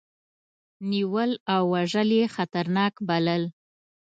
نیول او وژل یې خطرناک بلل.